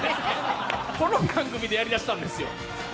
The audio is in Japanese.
この番組でやりだしたんですよ。